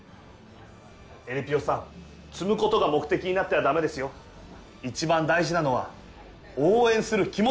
えりぴよさん積むことが目的になってはダメですよ一番大事なのは応援する気持ちです